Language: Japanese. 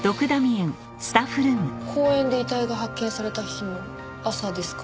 公園で遺体が発見された日の朝ですか？